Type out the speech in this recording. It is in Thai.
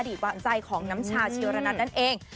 อดีตวันใจของน้ำชาเชียวระนัดนั่นเอง